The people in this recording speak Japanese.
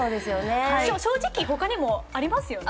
正直他にもありますよね。